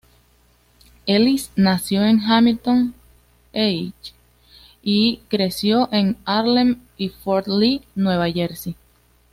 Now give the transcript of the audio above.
Ellis nació en Hamilton Heights y creció en Harlem y Fort Lee, Nueva Jersey.